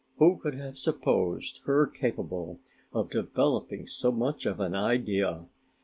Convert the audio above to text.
Who could have supposed her capable of developing so much of an idea?